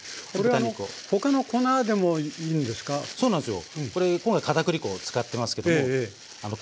はいそうなんですよ。